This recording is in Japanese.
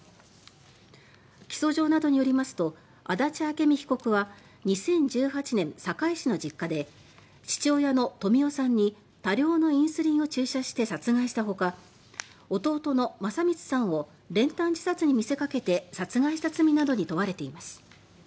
起訴状などによりますと足立朱美被告は２０１８年、堺市の実家で父親の富夫さんに多量のインスリンを注射して殺害したほか弟の聖光さんを練炭自殺に見せかけて殺害した罪などに問われています。